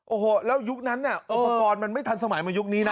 โอ้โหแล้วยุคนั้นอุปกรณ์มันไม่ทันสมัยมายุคนี้นะ